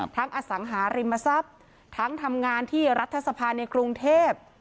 อสังหาริมทรัพย์ทั้งทำงานที่รัฐสภาในกรุงเทพ